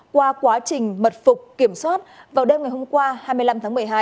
qua quá trình mật phục kiểm soát vào đêm ngày hôm qua hai mươi năm tháng một mươi hai